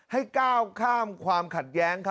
ให้ก้าวข้ามความขัดแย้ง